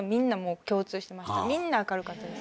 みんな明るかったです。